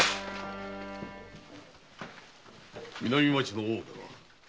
南町の大岡だ。